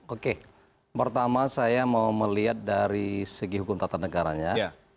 oke pertama saya mau melihat dari segi hukum tata negaranya